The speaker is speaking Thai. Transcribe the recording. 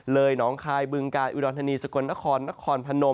เลยนองคายบึงกาอิวราโน่นธนีศกลนะครนะครพนม